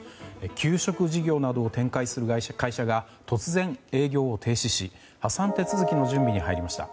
給食事業などを展開する会社が突然営業を停止し破産手続きの準備に入りました。